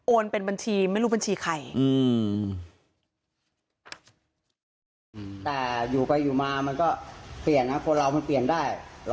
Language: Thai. เป็นบัญชีไม่รู้บัญชีใคร